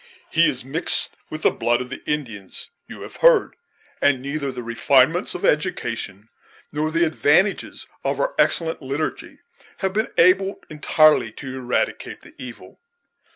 "He is mixed with the blood of the Indians, you have heard; and neither the refinements of education nor the advantages of our excellent liturgy have been able entirely to eradicate the evil.